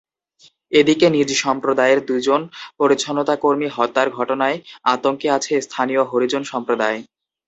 এদিকে নিজ সম্প্রদায়ের দুজন পরিচ্ছন্নতাকর্মী হত্যার ঘটনায় আতঙ্কে আছে স্থানীয় হরিজন সম্প্রদায়।